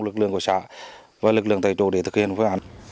lực lượng của sả và lực lượng tại chỗ để thực hiện phương ảnh